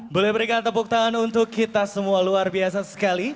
boleh berikan tepuk tangan untuk kita semua luar biasa sekali